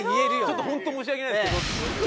「ちょっと本当申し訳ないんですけど」。